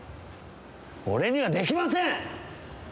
俺にはできません！